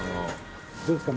どうですか？